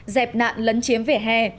dẹp nạn lấn chiếm vỉa hè